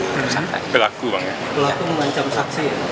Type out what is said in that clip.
pelaku mengancam saksi ya